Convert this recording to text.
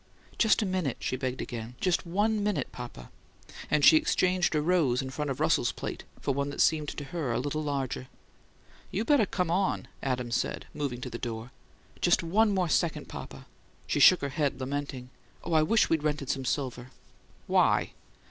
"Just a minute," she begged again. "Just ONE minute, papa!" And she exchanged a rose in front of Russell's plate for one that seemed to her a little larger. "You better come on," Adams said, moving to the door. "Just ONE more second, papa." She shook her head, lamenting. "Oh, I wish we'd rented some silver!" "Why?"